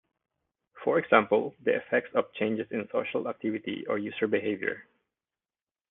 For example, the effects of changes in social activity or user behavior.